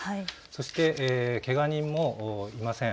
そしてけが人もいません。